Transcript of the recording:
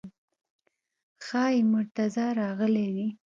ښایي مرتضی راغلی وي.